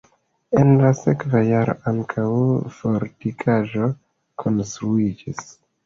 En la sekva jaro ankaŭ fortikaĵo konstruiĝis.